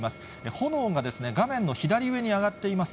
炎が画面の左上に上がっています。